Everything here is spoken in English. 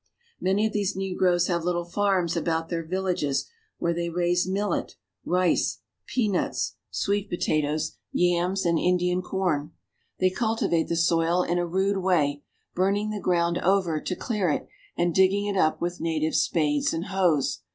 Many of these negroes have little farms about their viL L lages, where they raise millet, rice, peanuts, sweet pota 196 AFRICA toes, yams, and Indian com. They cultivate the soil in a rude way, burning the ground over to clear it, and dig ging it up with native spades and hoes.